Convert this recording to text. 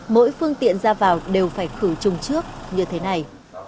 mỗi phương tiện ra vào đều phải khử chung trước như thế này